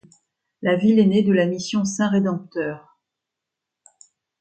La ville est née de la mission Saint-Rédempteur.